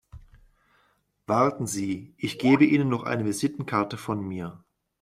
Warten Sie, ich gebe Ihnen noch eine Visitenkarte von mir.